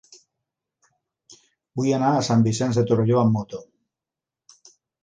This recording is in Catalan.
Vull anar a Sant Vicenç de Torelló amb moto.